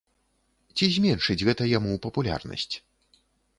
Ці зменшыць гэта яму папулярнасць?